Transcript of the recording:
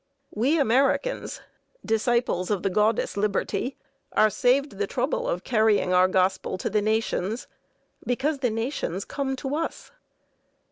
We Americans, disciples of the goddess Liberty, are saved the trouble of carrying our gospel to the nations, because the nations come to us.